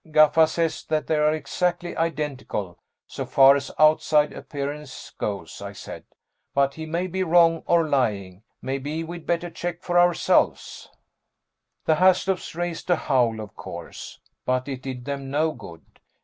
"Gaffa says that they are exactly identical so far as outside appearance goes," I said. "But he may be wrong, or lying. Maybe we'd better check for ourselves." The Haslops raised a howl, of course, but it did them no good.